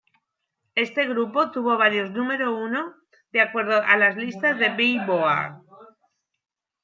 Este grupo tuvo varios número uno de acuerdo a las listas de Billboard.